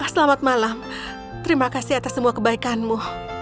selamat malam terima kasih atas semua kebaikanmu